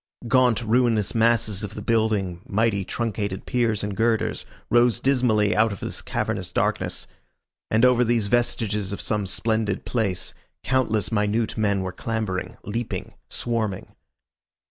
Gaunt ruinous masses of the building, mighty truncated piers and girders, rose dismally out of this cavernous darkness. And over these vestiges of some splendid place, countless minute men were clambering, leaping, swarming.